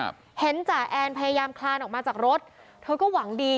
เห็นจ่าแอนพยายามคลานออกมาจากรถเธอก็หวังดี